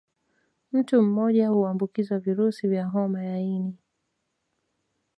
Mtu mmoja huambukizwa virusi vya homa ya ini